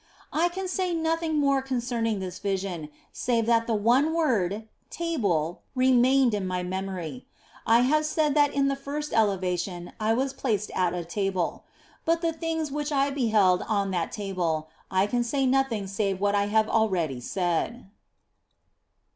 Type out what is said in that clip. I can say nothing more concerning this vision, save that the one word " table " remained in my memory. I have said that in the first elevation I was placed at a table. But of the things which I beheld on that table, I can say nothing save what I have already said.